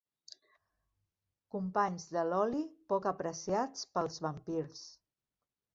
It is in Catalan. Companys de l'oli poc apreciats pels vampirs.